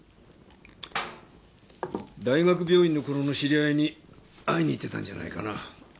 大学病院のころの知り合いに会いに行ってたんじゃないかな。